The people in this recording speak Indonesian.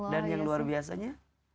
dan yang luar biasanya